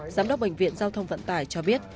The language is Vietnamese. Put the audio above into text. giám đốc bệnh viện giao thông vận tải cho biết